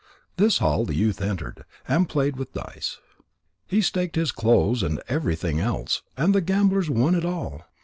This hall the youth entered, and played with dice. He staked his clothes and everything else, and the gamblers won it all.